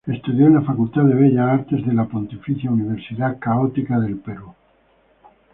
Estudió en la Facultad de Bellas Artes de la "Pontificia Universidad Católica" del Perú.